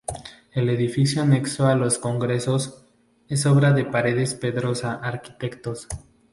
El edificio anexo de congresos, es obra de Paredes Pedrosa Arquitectos.